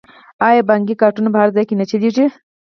آیا بانکي کارتونه په هر ځای کې نه چلیږي؟